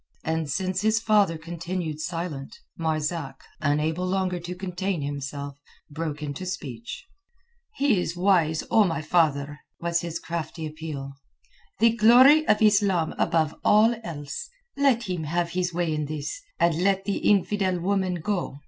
And since his father continued silent, Marzak, unable longer to contain himself, broke into speech. "He is wise, O my father!" was his crafty appeal. "The glory of Islam above all else! Let him have his way in this, and let the infidel woman go.